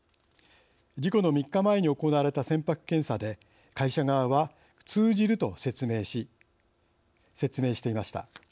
事故の３日前に行われた船舶検査で会社側は通じると説明していました。